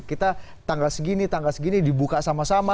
kita tanggal segini tanggal segini dibuka sama sama